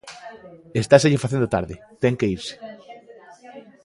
estáselle facendo tarde, ten que irse.